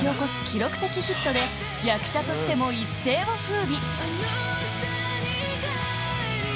記録的ヒットで役者としても一世を風靡